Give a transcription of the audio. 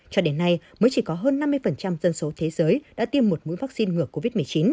cho đến nay mới chỉ có hơn năm mươi dân số thế giới đã tiêm một mũi vaccine ngừa covid một mươi chín